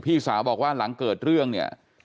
พี่สาวบอกว่าหลังเกิดเรื่องเนี่ย